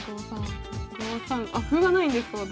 ５三あ歩がないんですか私。